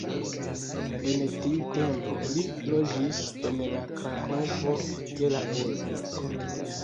En tiu tempo li loĝis en Krakovo je la ul.